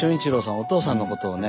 お父さんのことをね